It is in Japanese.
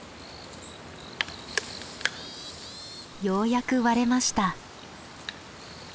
ようやく割れました。